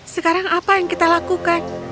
sekarang apa yang kita lakukan